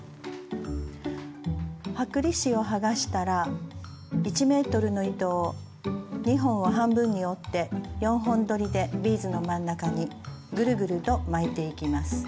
剥離紙を剥がしたら１ｍの糸を２本を半分に折って４本どりでビーズの真ん中にぐるぐると巻いていきます。